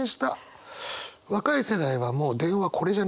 若い世代はもう電話これじゃないから。